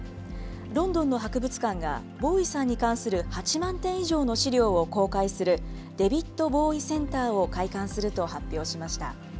ロンドンの博物館が、ボウイさんに関する８万点以上の資料を公開する、デビッド・ボウイ・センターを開館すると発表しました。